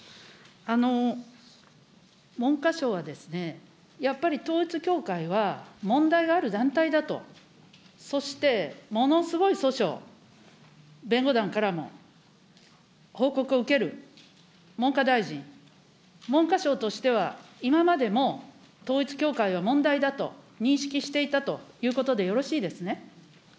文科省はやっぱり統一教会は問題がある団体だと、そしてものすごい訴訟、弁護団からも報告を受ける、文科大臣、文科省としては今までも統一教会は問題だと認識していたということでよろしいですね。